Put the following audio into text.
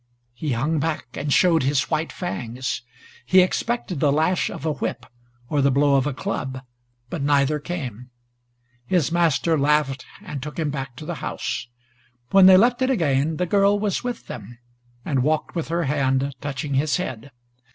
He hung back and showed his white fangs. He expected the lash of a whip or the blow of a club, but neither came. His master laughed and took him back to the house. When they left it again, the girl was with them and walked with her hand touching his head.